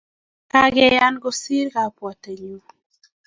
Kageyan kosiir kabwatengung